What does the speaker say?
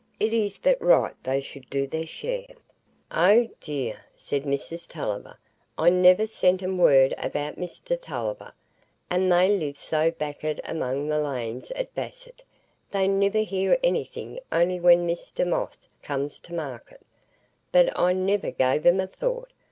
It is but right they should do their share." "Oh, dear!" said Mrs Tulliver, "I never sent 'em word about Mr Tulliver, and they live so back'ard among the lanes at Basset, they niver hear anything only when Mr Moss comes to market. But I niver gave 'em a thought.